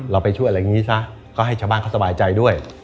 ไปช่วยอะไรอย่างนี้ซะก็ให้ชาวบ้านเขาสบายใจด้วย